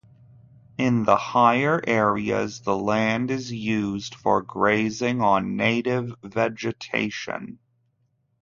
In the higher areas the land is used for grazing on native vegetation.